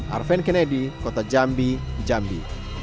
arven kennedy kota jambi jambi